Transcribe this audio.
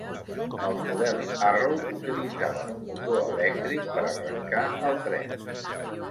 Els models Arrow utilitzaven un motor elèctric per arrancar el tren.